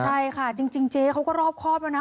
ใช่ค่ะจริงเจ๊เขาก็รอบครอบแล้วนะ